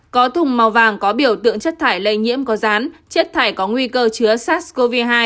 có thùng màu vàng có biểu tượng chất thải lây nhiễm có rán chất thải có nguy cơ chứa sars cov hai